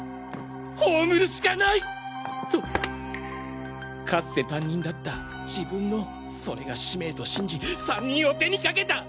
葬るしかないとかつて担任だった自分のそれが使命と信じ３人を手にかけた！